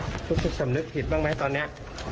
เดี๋ยวนะครับทุกคำนึกผิดบ้างไหมตอนนี้